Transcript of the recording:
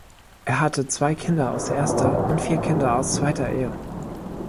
Er hatte zwei Kinder aus erster und vier Kinder aus zweiter Ehe.